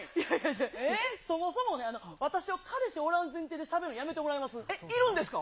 そもそもね、私が彼氏おらん前提でしゃべるのやめてもらえますか？